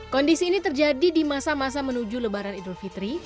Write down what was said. kondisi ini terjadi di masa masa menuju lebaran idul fitri